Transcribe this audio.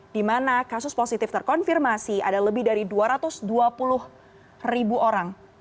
di mana kasus positif terkonfirmasi ada lebih dari dua ratus dua puluh ribu orang